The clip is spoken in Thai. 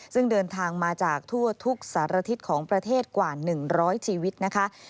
ซึ่งเดินทางมาจากทั่วทุกสารทิศของประเทศกว่า๑๐๐ชีวิตนะคะ